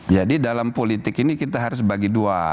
jadi dalam politik ini kita harus bagi dua